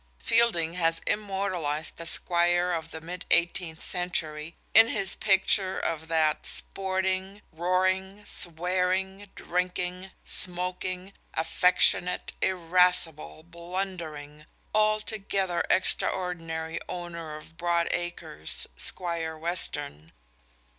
Fielding has immortalized the squire of the mid eighteenth century in his picture of that sporting, roaring, swearing, drinking, smoking, affectionate, irascible, blundering, altogether extraordinary owner of broad acres, Squire Western.